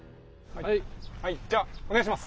はい。